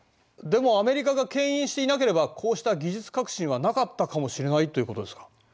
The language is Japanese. でもアメリカがけん引していなければこうした技術革新はなかったかもしれないということですか。